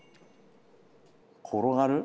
転がる？